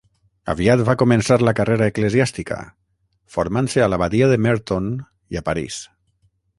Aviat va començar la carrera eclesiàstica, formant-se a l'abadia de Merton i a París.